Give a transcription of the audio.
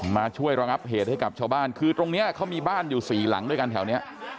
มาช่วยระงับเหตุให้กับชาวบ้านคือตรงนี้เขามีบ้านอยู่สี่หลังด้วยกันแถวนี้